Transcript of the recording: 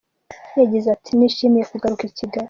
Yagize ati “Nishimiye kugaruka i Kigali.